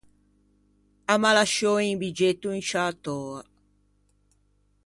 A m’à lasciou un biggetto in sciâ töa.